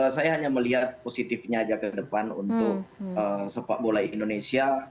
saya hanya melihat positifnya aja ke depan untuk sepak bola indonesia